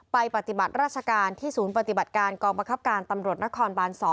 ปฏิบัติราชการที่ศูนย์ปฏิบัติการกองบังคับการตำรวจนครบาน๒